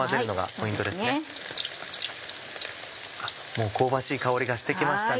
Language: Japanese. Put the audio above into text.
もう香ばしい香りがして来ましたね。